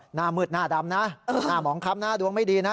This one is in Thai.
หน้ามืดหน้าดำนะหน้าหมองค้ำหน้าดวงไม่ดีนะ